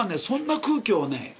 そんな空気をね